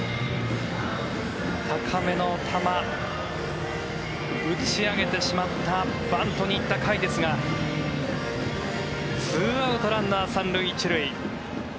高めの球、打ち上げてしまったバントに行った甲斐ですが２アウト、ランナー３塁１塁。